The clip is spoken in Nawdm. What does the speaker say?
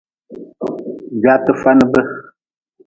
Gwaatefanabe.